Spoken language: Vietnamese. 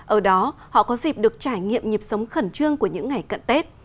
ở đó họ có dịp được trải nghiệm nhịp sống khẩn trương của những ngày cận tết